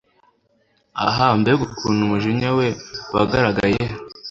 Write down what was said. Ah mbega ukuntu umujinya we wagaragaye